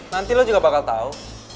nanti lo juga bakal tahu